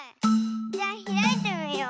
じゃひらいてみよう。